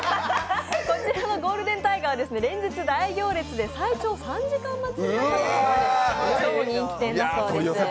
こちらのゴールデンタイガーは連日大行列で最長３時間待ちにもなる超人気店だそうです。